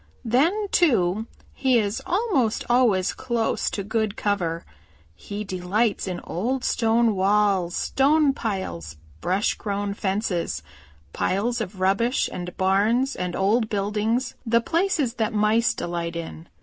Then, too, he is almost always close to good cover. He delights in old stone walls, stone piles, brush grown fences, piles of rubbish and barns and old buildings, the places that Mice delight in.